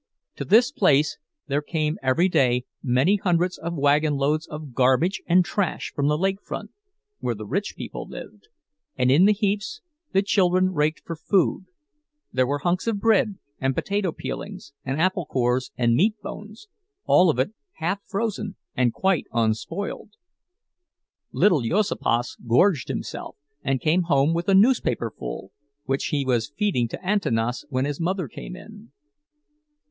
To this place there came every day many hundreds of wagon loads of garbage and trash from the lake front, where the rich people lived; and in the heaps the children raked for food—there were hunks of bread and potato peelings and apple cores and meat bones, all of it half frozen and quite unspoiled. Little Juozapas gorged himself, and came home with a newspaper full, which he was feeding to Antanas when his mother came in.